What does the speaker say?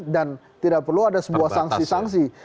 dan tidak perlu ada sebuah sanksi sanksi